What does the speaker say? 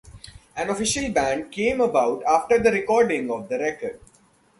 An official band came about after the recording of the record.